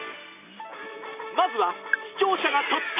まずは視聴者が撮った！